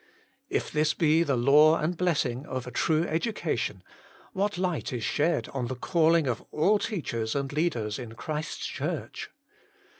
If this be the law and blessing of a true education, what light is shed on the calling of all teachers and leaders in Christ's Church